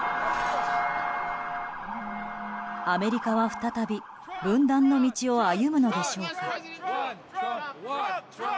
アメリカは再び分断の道を歩むのでしょうか。